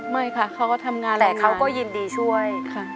ไม่ค่ะเขาก็ทำงานแหละเขาก็ยินดีช่วยค่ะ